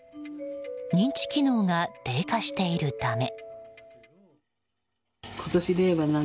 認知機能が低下しているため。